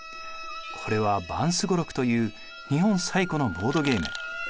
これは盤双六という日本最古のボードゲーム。